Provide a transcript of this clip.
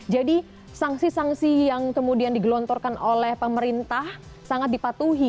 jadi sanksi sanksi yang kemudian digelontorkan oleh pemerintah sangat dipatuhi